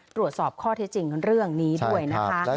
ตรวจสอบข้อเท็จจริงเรื่องนี้ด้วยนะคะค่ะใช่ค่ะ